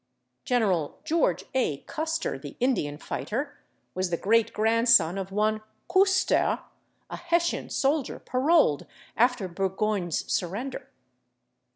General George A. /Custer/, the Indian fighter, was the great grandson of one /Küster/, a Hessian soldier paroled after Burgoyne's surrender.